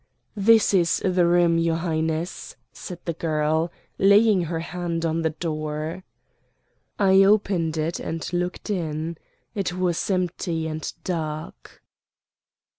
"This is the room, your Highness," said the girl, laying her hand on the door. I opened it and looked in. It was empty and dark.